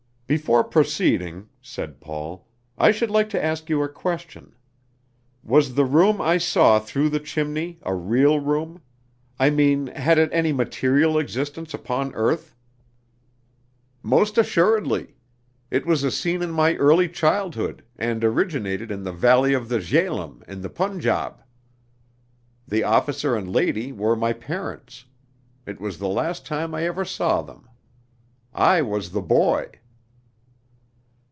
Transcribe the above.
"Before proceeding," said Paul, "I should like to ask you a question. Was the room I saw through the chimney a real room? I mean had it any material existence upon earth?" "Most assuredly. It was a scene in my early childhood, and originated in the Valley of the Jhelum, in the Punjab. The officer and lady were my parents. It was the last time I ever saw them. I was the boy."